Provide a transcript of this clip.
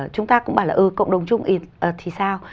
chúng ta cũng bảo là ừ cộng đồng chung thì sao